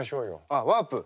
あっワープ！